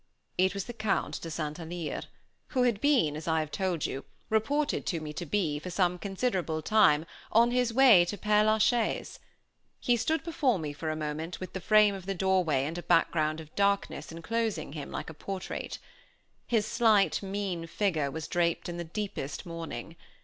It was the Count de St. Alyre, who had been, as I have told you, reported to me to be, for some considerable time, on his way to Pèe la Chaise. He stood before me for a moment, with the frame of the doorway and a background of darkness enclosing him like a portrait. His slight, mean figure was draped in the deepest mourning.